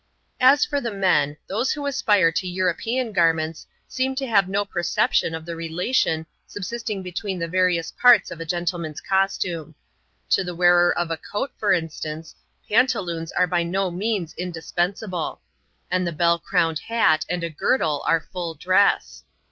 As for the men, those wTio aaptr^ ^ 'EAxxo^'Wi %«rBL^\^ ^ CHAP. XLvn.] HOW THEY DRESS IN TAHITI. 181 to have no perception of the relation subsisting between the various parts of a gentleman's costume. To the wearer of a coat, for instance, pantaloons are by no means indispensable ; and a bell crowned hat and a girdle are full dress.